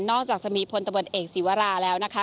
นอกจากจะมีพลตบุตรเอกสิวราแล้วนะคะ